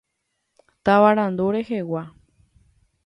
Tavarandu rehegua.